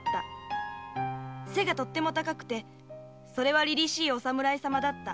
「背がとても高くってそれは凛々しいお侍様だった」